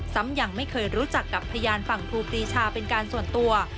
ซ้ำยังไม่เคยรู้จักกับพยานฝั่งครูปรีชาเป็นการส่วนตัว